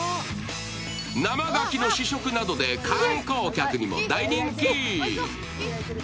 生牡蠣の試食などで観光客に大人気。